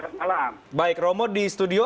selamat malam baik romo di studio